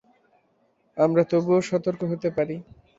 আমরা তবুও সতর্ক হতে পারি।